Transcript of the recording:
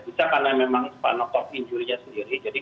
bisa karena memang spinal cord injury nya sendiri